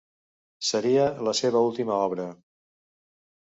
Seria la seva última obra.